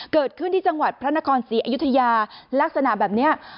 เกิดขึ้นที่จังหวัดพระนครศรีอยุธยาลักษณะแบบนี้